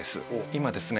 今ですね